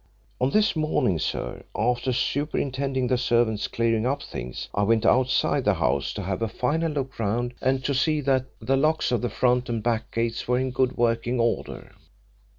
On this morning, sir, after superintending the servants clearing up things, I went outside the house to have a final look round, and to see that the locks of the front and back gates were in good working order.